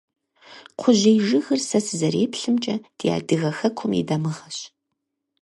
Кхъужьей жыгыр, сэ сызэреплъымкӀэ, ди адыгэ хэкум и дамыгъэщ.